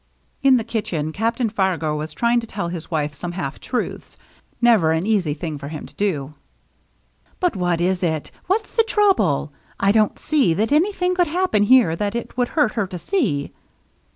In the kitchen Captain Fargo was trying to tell his wife some half truths, never an easy thing for him to do. "But what is it? What's the trouble? I don't see that anything could happen here that it would hurt her to see."